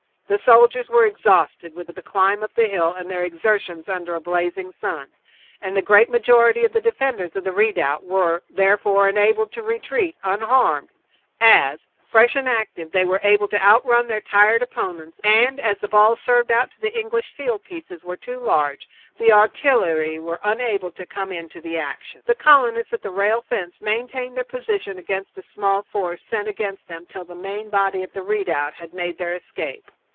The soldiers were exhausted with the climb up the hill and their exertions under a blazing sun, and the great majority of the defenders of the redoubt were, therefore, enabled to retreat unharmed, as, fresh and active, they were able to outrun their tired opponents, and as the balls served out to the English field pieces were too large, the artillery were unable to come into action. The colonists at the rail fence maintained their position against the small force sent against them till the main body at the redoubt had made their escape.